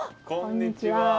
こんにちは。